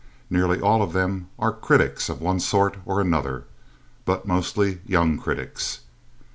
Nearly all of them are critics of one sort or another, but mostly young critics.